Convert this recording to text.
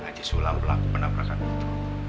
haji sulam pelaku penabrakan itu